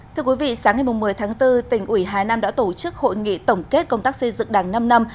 thưa quý vị sáng ngày một mươi tháng bốn tỉnh ủy hà nam đã tổ chức hội nghị tổng kết công tác xây dựng đảng năm năm